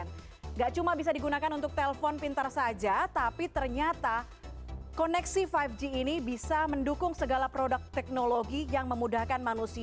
tidak cuma bisa digunakan untuk telpon pintar saja tapi ternyata koneksi lima g ini bisa mendukung segala produk teknologi yang memudahkan manusia